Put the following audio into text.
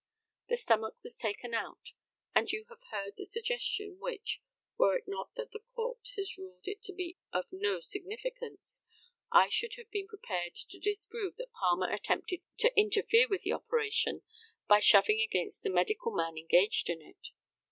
The stomach was taken out, and you have heard the suggestion, which, were it not that the Court has ruled it to be of no significance, I should have been prepared to disprove that Palmer attempted to interfere with the operation by shoving against the medical man engaged in it.